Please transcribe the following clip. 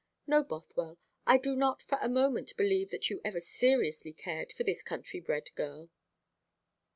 No, Bothwell, I do not for a moment believe that you ever seriously cared for this country bred girl."